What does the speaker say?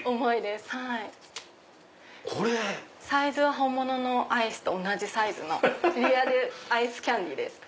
本物のアイスと同じサイズのリアルアイスキャンディーです。